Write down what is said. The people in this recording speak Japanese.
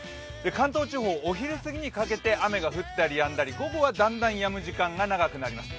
関東地方、お昼すぎにかけて雨が降ったりやんだり、午後は、だんだんやむ時間が長くなります。